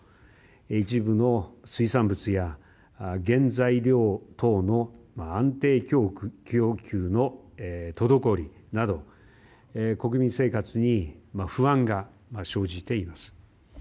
一部の水産物や原材料等の安定供給の滞りなど国民生活に不安が生じています。